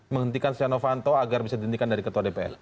menghentikan setia novanto agar bisa dihentikan dari ketua dpr